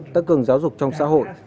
tăng cường giáo dục trong xã hội